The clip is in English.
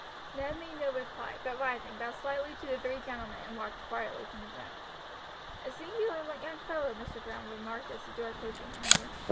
Ned made no reply, but rising, bowed slightly to the three gentlemen and walked quietly from the room. "A singular young fellow!" Major Browne remarked as the door closed behind him.